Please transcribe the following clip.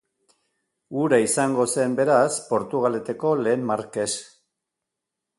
Hura izango zen beraz Portugaleteko lehen markes.